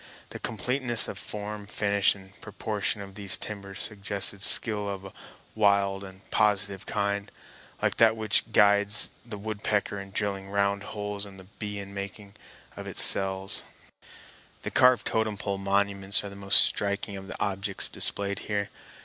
The completeness of form, finish, and proportion of these timbers suggested skill of a wild and positive kind, like that which guides the woodpecker in drilling round holes, and the bee in making its cells. [Illustration: Old Chief and Totem Pole, Wrangell.] The carved totem pole monuments are the most striking of the objects displayed here.